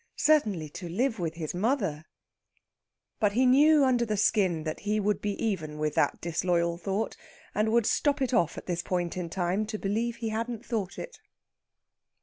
Certainly to live with his mother...." But he knew under the skin that he would be even with that disloyal thought, and would stop it off at this point in time to believe he hadn't thought it.